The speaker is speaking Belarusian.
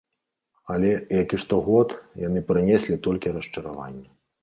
Але, як і штогод, яны прынеслі толькі расчараванне.